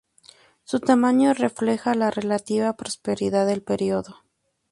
Su tamaño refleja la relativa prosperidad del período.